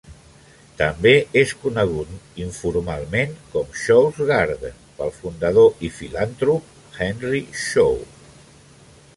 També és conegut informalment com Shaw's Garden pel fundador i filantrop Henry Shaw.